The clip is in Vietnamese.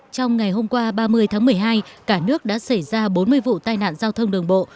trong ngày hôm qua ba mươi tháng một mươi hai cả nước đã xảy ra bốn mươi vụ tai nạn giao thông đường bộ